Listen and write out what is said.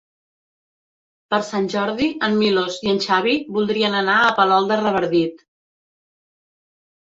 Per Sant Jordi en Milos i en Xavi voldrien anar a Palol de Revardit.